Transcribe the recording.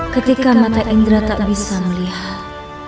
ketika mata indra tak bisa melihat